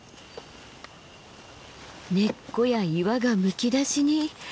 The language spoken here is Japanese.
根っこや岩がむき出しに。